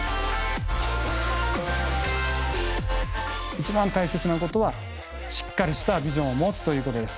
一番大切なことはしっかりしたビジョンを持つということです。